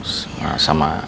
sama makannya telat